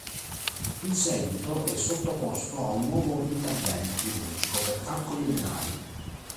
In seguito, è sottoposto a un nuovo intervento chirurgico per calcoli renali.